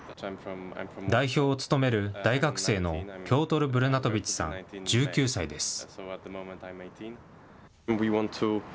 代表を務める大学生のピョートル・ブルナトビチさん１９歳です。